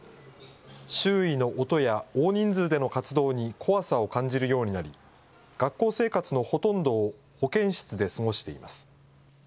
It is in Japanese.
周囲の音や、大人数での活動に怖さを感じるようになり、学校生活のほとんどを保健室で過ごしています。